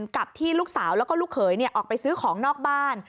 กับที่ลูกสาวแล้วก็ลูกเขยออกไปซื้อของนอกบ้าน